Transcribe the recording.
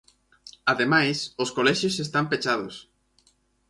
Ademais, os colexios están pechados.